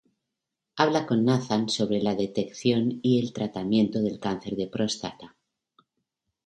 Habla con Nathan sobre la detección y el tratamiento del cáncer de próstata